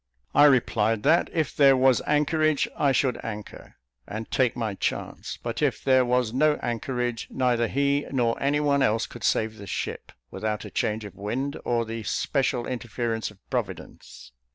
I replied that, if there was anchorage, I should anchor, and take my chance; but if there was no anchorage, neither he nor any one else could save the ship, without a change of wind, or the special interference of Providence.